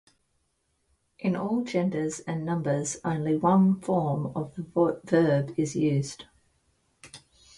In all genders and numbers only one form of the verb is used.